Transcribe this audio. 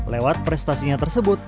lewat prestasinya tersebut